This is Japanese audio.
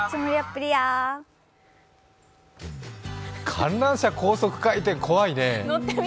観覧車高速回転、怖いね。